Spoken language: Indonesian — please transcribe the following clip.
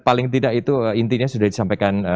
paling tidak itu intinya sudah disampaikan